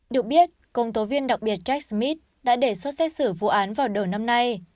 được biết công tố viên đặc biệt jack smith đã đề xuất xét xử vụ án vào đầu năm nay